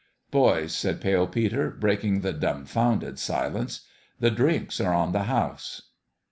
" Boys," said Pale Peter, breaking the dumb founded silence, " the drinks are on the house